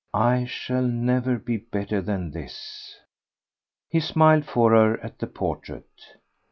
"I shall never be better than this." He smiled for her at the portrait.